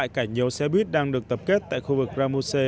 khi lại cả nhiều xe buýt đang được tập kết tại khu vực ramuse